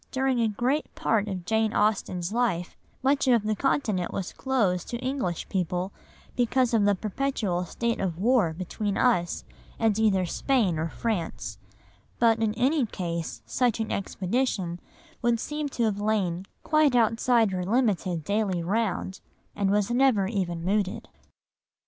During a great part of Jane Austen's life, much of the Continent was closed to English people because of the perpetual state of war between us and either Spain or France, but in any case such an expedition would seem to have lain quite outside her limited daily round, and was never even mooted.